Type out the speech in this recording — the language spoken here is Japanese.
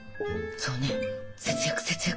そうね節約節約。